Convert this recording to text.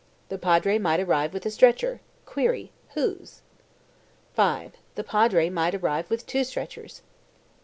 The Padre might arrive with a stretcher. Query Whose? V. The Padre might arrive with two stretchers. VI.